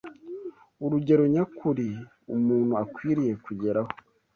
urugero nyakuri umuntu akwiriye kugeraho